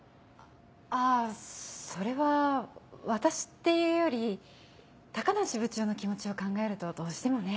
あぁそれは私っていうより高梨部長の気持ちを考えるとどうしてもね。